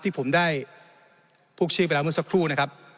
ที่ผมได้พูดชื่อไปแล้วเมื่อสักครู่นะครับ